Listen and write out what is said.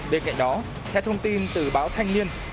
bên cạnh đó theo thông tin từ báo thanh niên